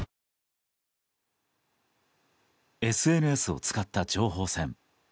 ＳＮＳを使った情報戦。